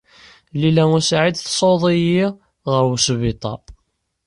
Lila u Saɛid tessaweḍ-iyi ɣer wesbiṭar.